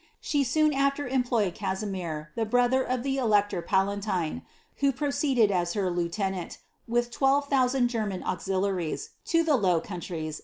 She soon after employed Casimir, the brothtrr of the Elector Palatine, who proceeded as her lieutenant, with 1 2,000 'Orotius; Camden; Strada r Gentian anxiltBries, to the low counirics.